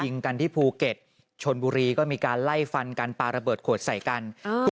ยิงกันที่ภูเก็ตชนบุรีก็มีการไล่ฟันกันปลาระเบิดขวดใส่กัน